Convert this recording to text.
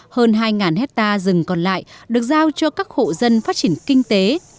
hơn hai hectare rừng còn lại được giao cho các hộ dân phát triển kinh tế